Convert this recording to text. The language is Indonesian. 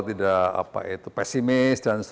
tidak pesimis dan sebagainya